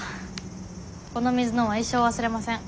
この水の恩は一生忘れません。